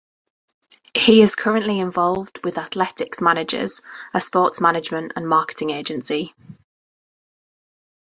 He is currently involved with Athletics Managers, a sports management and marketing agency.